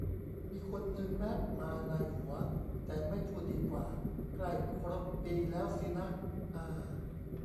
มีคนนึงแว๊บมาในหัว แต่ ไม่พูดดีกว่า ใกล้ครบปีแล้วสินะ อา